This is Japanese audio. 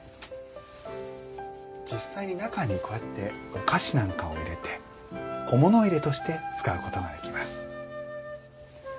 実際に中にこうやってお菓子なんかを入れて小物入れとして使うことができます。